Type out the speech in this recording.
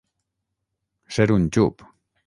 Ser un xup.